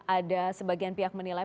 ada sebagian pihak menilai